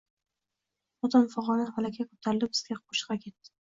Xotin fig`oni falakka ko`tarilib, bizga o`shqira ketdi